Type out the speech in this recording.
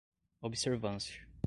observância